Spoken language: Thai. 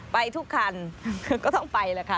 ไปทุกคันก็ต้องไปแล้วค่ะ